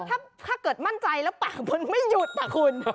ถ้าเกิดมั่นใจแล้วปากมันไม่หยุดนะคุณ